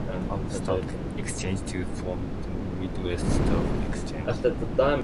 Paul Stock Exchange to form the Midwest Stock Exchange.